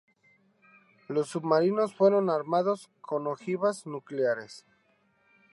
Los submarinos fueron armados con ojivas nucleares.